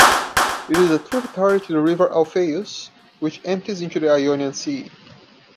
It is a tributary to the river Alfeios, which empties into the Ionian Sea.